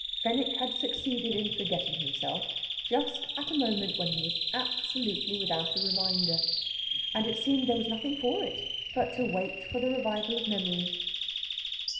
Fenwick had succeeded in forgetting himself just at a moment when he was absolutely without a reminder. And it seemed there was nothing for it but to wait for the revival of memory.